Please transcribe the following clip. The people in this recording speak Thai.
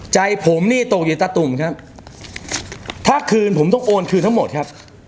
ใจผมนี่ตกอยู่ตะตุ่มครับถ้าคืนผมต้องโอนคืนทั้งหมดครับ